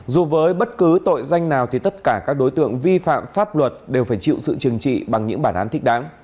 dù với bất cứ tội danh nào thì tất cả các đối tượng vi phạm pháp luật đều phải chịu sự chừng trị bằng những bản án thích đáng